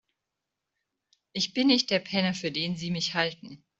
Ich bin nicht der Penner, für den Sie mich halten.